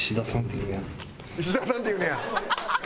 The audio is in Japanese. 「石田さんって言うんや」。